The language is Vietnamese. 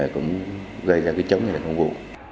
chúng gây ra cái chống này là công vụ